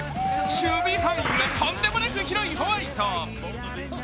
守備範囲がとんでもなく広いホワイト。